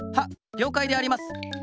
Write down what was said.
りょうかいであります。